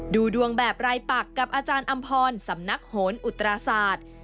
ดูดวงแบบรายปักกับอาจารย์อำพรสำนักโหนอุตราศาสตร์